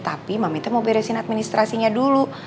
tapi mami mau beresin administrasinya dulu